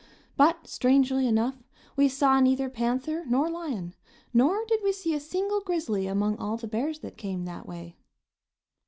But strangely enough, we saw neither panther nor lion; nor did we see a single grizzly among all the bears that came that way.